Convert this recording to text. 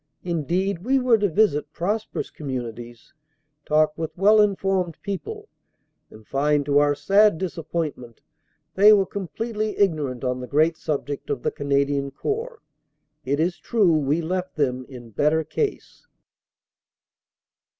Indeed, we were to visit prosperous communities, talk with well informed people, and find to our sad disappointment they were completely ignorant on the great subject of the Canadian Corps. It is true we left them in better case.